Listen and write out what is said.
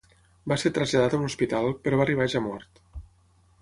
Va ser traslladat a un hospital, però va arribar ja mort.